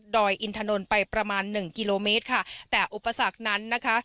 อินถนนไปประมาณหนึ่งกิโลเมตรค่ะแต่อุปสรรคนั้นนะคะ